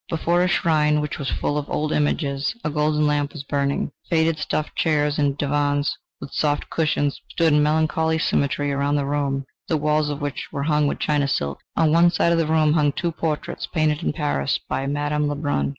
Before a shrine, which was full of old images, a golden lamp was burning. Faded stuffed chairs and divans with soft cushions stood in melancholy symmetry around the room, the walls of which were hung with China silk. On one side of the room hung two portraits painted in Paris by Madame Lebrun.